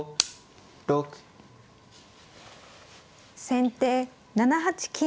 先手７八金。